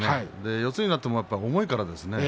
四つ身になっても重いからですね。